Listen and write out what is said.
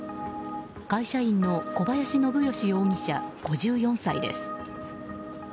会社員の小林信義容疑者５４歳です。